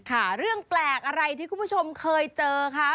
ค่ะเรื่องแปลกอะไรที่คุณผู้ชมเคยเจอคะ